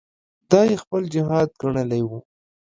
دا یې خپل جهاد ګڼلی وو.